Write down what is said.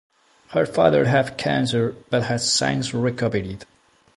Her father had cancer but has since recovered.